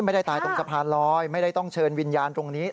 ตายตรงสะพานลอยไม่ได้ต้องเชิญวิญญาณตรงนี้